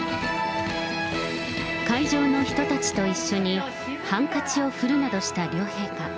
会場の人たちと一緒にハンカチを振るなどした両陛下。